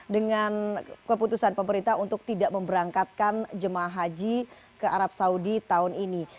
dengan keputusan pemerintah untuk tidak memberangkatkan jemaah haji ke arab saudi tahun ini